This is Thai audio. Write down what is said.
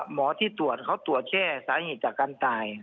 หมอที่ตรวจเขาตรวจแช่สาเหตุจากการตาย